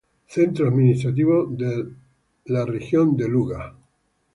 Centro administrativo del raión de Luga.